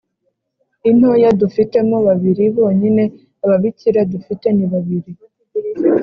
intoya dufitemo babiri bonyine ababikira dufite nibabiri